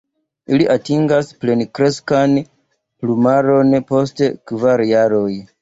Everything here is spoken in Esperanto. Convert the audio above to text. Ili atingas plenkreskan plumaron post kvar jaroj.